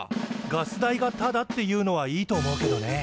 ガス代がタダっていうのはいいと思うけどね。